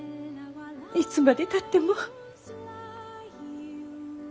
いつまでたっても。